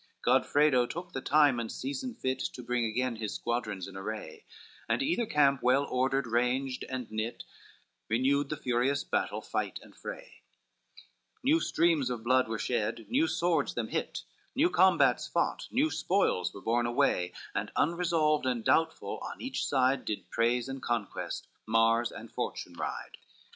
LXXII Godfredo took the time and season fit To bring again his squadrons in array, And either camp well ordered, ranged and knit, Renewed the furious battle, fight and fray, New streams of blood were shed, new swords them hit; New combats fought, new spoils were borne away, And unresolved and doubtful, on each side, Did praise and conquest, Mars and Fortune ride.